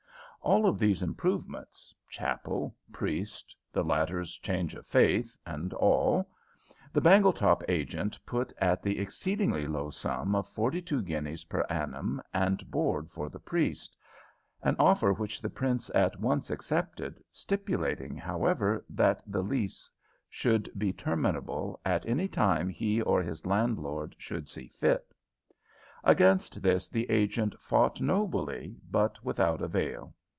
All of these improvements chapel, priest, the latter's change of faith, and all the Bangletop agent put at the exceedingly low sum of forty two guineas per annum and board for the priest; an offer which the prince at once accepted, stipulating, however, that the lease should be terminable at any time he or his landlord should see fit. Against this the agent fought nobly, but without avail.